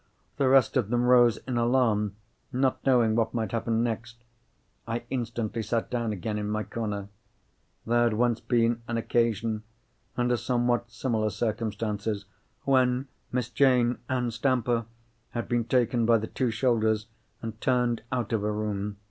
The rest of them rose in alarm, not knowing what might happen next. I instantly sat down again in my corner. There had once been an occasion, under somewhat similar circumstances, when Miss Jane Ann Stamper had been taken by the two shoulders and turned out of a room.